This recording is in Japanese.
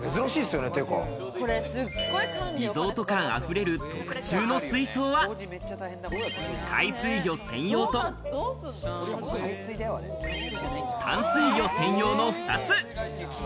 リゾート感あふれる特注の水槽は海水魚専用と淡水魚専用の２つ。